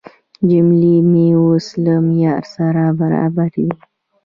جملې مې اوس له معیار سره برابرې دي.